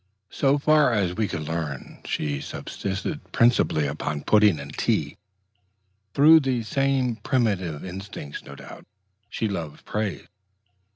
So far as we could learn, she subsisted principally upon puddings and tea. Through the same primitive instincts, no doubt, she loved praise.